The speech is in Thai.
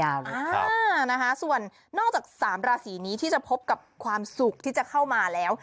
นะคะส่วนนอกจากสามราศีนี้ที่จะพบกับความสุขที่จะเข้ามาแล้ว